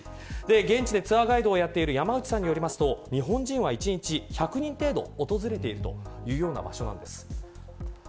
現地でツアーガイドをやっている山内さんによると日本人は１日１００人程度訪れているというような場所なんです。